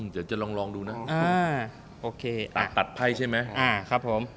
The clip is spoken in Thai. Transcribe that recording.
ที่จะเลือก